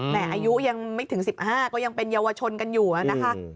แม่อายุยังไม่ถึงสิบห้าก็ยังเป็นเยาวชนกันอยู่น่ะนะคะ